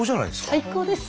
最高です！